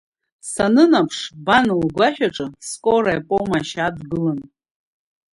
Санынаԥш, бан лгәашәаҿы Скораиа помошьч адгылан.